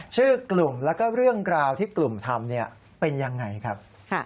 ชื่อกลุ่มแล้วก็เรื่องราวที่กลุ่มทำเป็นยังไงครับ